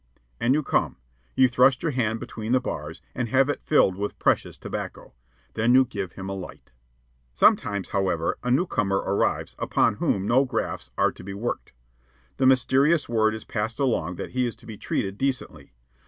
And you come. You thrust your hand between the bars and have it filled with precious tobacco. Then you give him a light. Sometimes, however, a newcomer arrives, upon whom no grafts are to be worked. The mysterious word is passed along that he is to be treated decently.